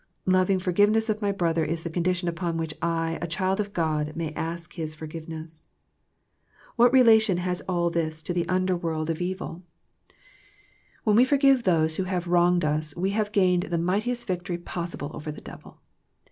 Loving forgiveness of my brother is the condition upon which I, a child of God, may ask His forgiveness. What relation has all this to the underworld THE PLANE OF PEAYEE 99 of evil? When we forgive those who have wronged us, we have gained the mightiest victory possible over the devil.